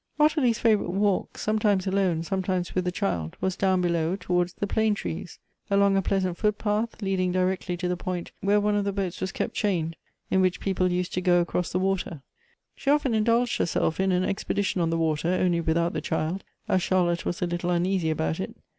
Ottilie's favorite walk, sometimes alone, sometimes with the child, was down helow, towards the plane trees ; along a pleasant footpath, leading directly to the point where one of the boats was kept chained in which peo ple used to go across the vvater. She often indulged her self in an expedition on the water, only without the child, as Charlotte was a little uneasy about it.